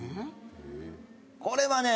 これはね